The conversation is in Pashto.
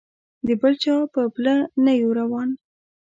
د بل چا په پله نه یو روان.